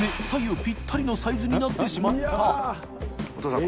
お父さん